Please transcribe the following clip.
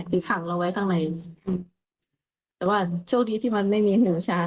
ถึงขังเราไว้ข้างในแต่ว่าโชคดีที่มันไม่มีเหนือชั้น